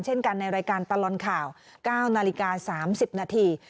เช่นกันในรายการตลอดข่าว๙นาฬิกา๓๐นาที